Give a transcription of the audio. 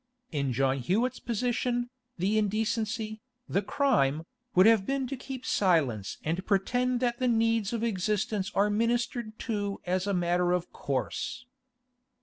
In John Hewett's position, the indecency, the crime, would have been to keep silence and pretend that the needs of existence are ministered to as a matter of course.